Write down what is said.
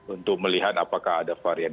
untuk melihat apakah ada varian